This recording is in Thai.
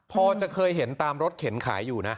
พอจะเคยเห็นตามรถเข็นขายอยู่นะ